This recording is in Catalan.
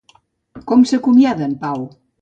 Com s'acomiada en Pau?